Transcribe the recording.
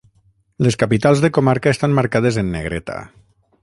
Les capitals de comarca estan marcades en negreta.